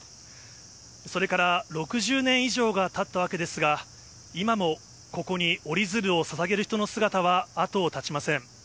それから６０年以上がたったわけですが、今もここに折り鶴をささげる人の姿は後を絶ちません。